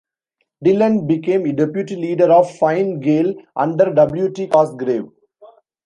Dillon became deputy leader of Fine Gael under W. T. Cosgrave.